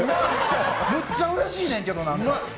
むっちゃうれしいねんけど。